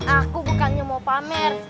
aku bukannya mau pamer